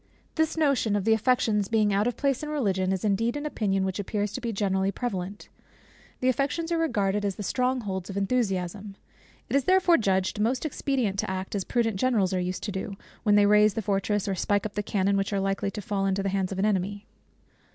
This notion of the affections being out of place in Religion, is indeed an opinion which appears to be generally prevalent. The affections are regarded as the strong holds of enthusiasm. It is therefore judged most expedient to act, as prudent generals are used to do, when they raze the fortress, or spike up the cannon, which are likely to fall into the hands of an enemy.